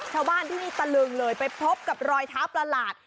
ชาวบ้านที่นี่ตะลึงเลยไปพบกับรอยเท้าประหลาด